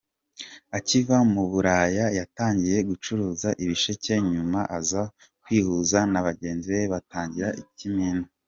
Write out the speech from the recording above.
Akiva mu buraya yatangiye gucuruza ibisheke, nyuma aza kwihuza na bagenzi be batangira ikimina.